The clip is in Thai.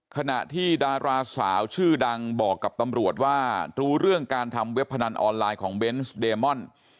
ขณะที่ดาราสาวชื่อดังบอกกับตำรวจว่ารู้เรื่องการทำเว็บพนันออนไลน์ของเบนส์เดมอน